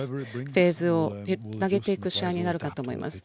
フェーズをつなげていく試合になるかと思います。